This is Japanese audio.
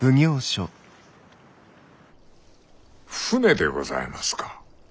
船でございますか。